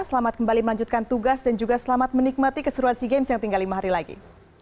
selamat kembali melanjutkan tugas dan juga selamat menikmati keseruan sea games yang tinggal lima hari lagi